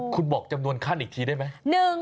คุณบอกจำนวนขั้นอีกทีได้ไหม